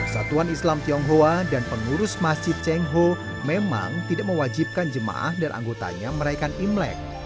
satuan islam tionghoa dan pengurus masjid cheng ho memang tidak mewajibkan jemaah dan anggotanya meraihkan imlek